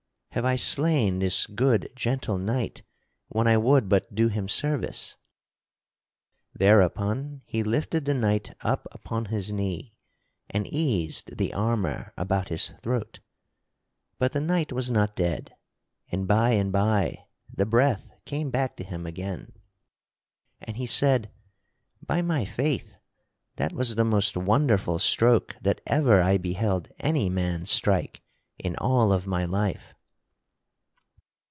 Have I slain this good, gentle knight when I would but do him service?" Thereupon he lifted the knight up upon his knee and eased the armor about his throat. But the knight was not dead, and by and by the breath came back to him again, and he said: "By my faith, that was the most wonderful stroke that ever I beheld any man strike in all of my life."